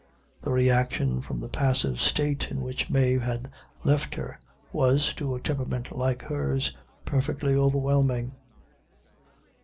The reaction from the passive state in which Mave had left her, was, to a temperament like her's, perfectly overwhelming.